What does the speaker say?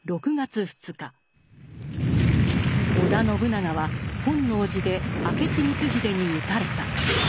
織田信長は本能寺で明智光秀に討たれた。